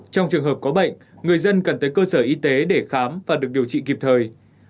trong trường hợp có bệnh người dân cần tới cơ sở y tế để khám và được điều trị kịp thời